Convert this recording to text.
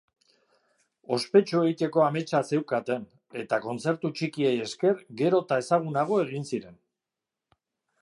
Ospetsu egiteko ametsa zeukaten eta kontzertu txikiei esker gero eta ezagunago egin ziren.